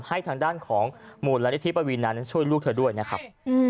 ให้ทางด้านของมูลนิธิปวีนานั้นช่วยลูกเธอด้วยนะครับ